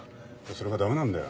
それが駄目なんだよ。